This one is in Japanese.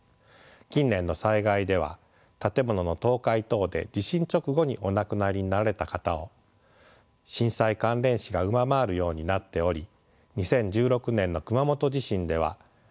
近年の災害では建物の倒壊等で地震直後にお亡くなりになられた方を震災関連死が上回るようになっており２０１６年の熊本地震では直接死５０人